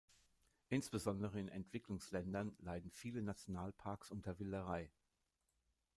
Insbesondere in Entwicklungsländern leiden viele Nationalparks unter Wilderei.